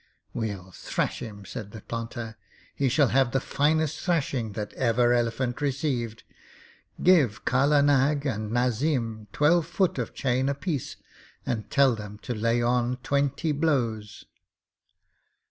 'We'll thrash him,' said the planter. 'He shall have the finest thrashing that ever elephant received. Give Kala Nag and Nazim twelve foot of chain apiece, and tell them to lay on twenty blows.'